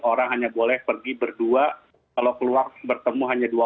orang hanya boleh pergi berdua kalau keluar bertemu hanya dua orang